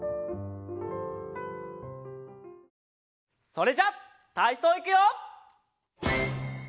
それじゃたいそういくよ！